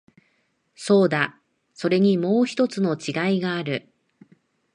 そうだ、それにもう一つ違いがある。